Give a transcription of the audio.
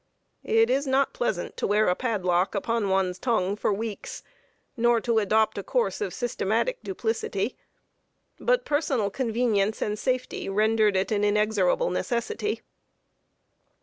It is not pleasant to wear a padlock upon one's tongue, for weeks, nor to adopt a course of systematic duplicity; but personal convenience and safety rendered it an inexorable necessity.